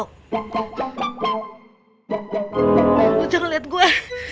lo jangan liat gue